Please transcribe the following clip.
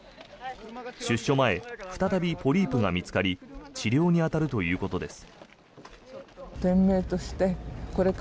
出所前、再びポリープが見つかり治療に当たるということです。